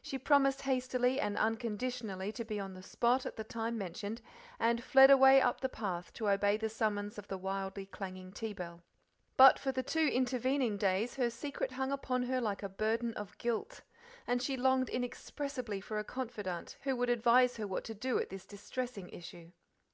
She promised hastily and unconditionally to be on the spot at the time mentioned, and fled away up the path to obey the summons of the wildly clanging tea bell. But for the two intervening days her secret hung upon her like a burden of guilt, and she longed inexpressibly for a confidante who would advise her what to do at this distressing issue.